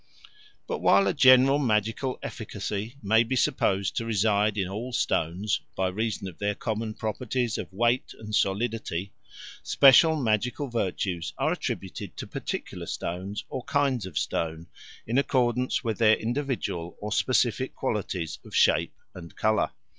But while a general magical efficacy may be supposed to reside in all stones by reason of their common properties of weight and solidity, special magical virtues are attributed to particular stones, or kinds of stone, in accordance with their individual or specific qualities of shape and colour.